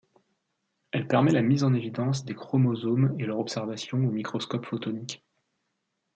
Elle permet la mise en évidence des chromosomes et leur observation au microscope photonique.